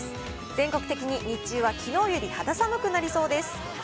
全国的に日中はきのうより肌寒くなりそうです。